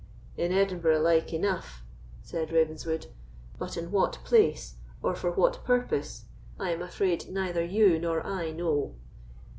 "In Edinburgh like enough," said Ravenswood; "but in what place, or for what purpose, I am afraid neither you nor I know."